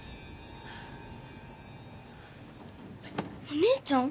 お姉ちゃん？